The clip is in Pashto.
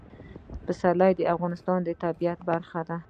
پسرلی د افغانستان د طبیعت برخه ده.